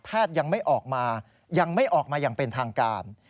ยังไม่ออกมายังไม่ออกมาอย่างเป็นทางการ